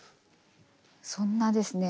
そんなですね